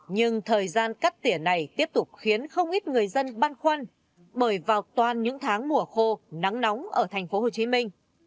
nhưng thời gian cắt tỉa này tiếp tục khiến không ít người dân băn khoăn bởi vào toàn những tháng mùa khô nắng nóng ở thành phố hồ chí minh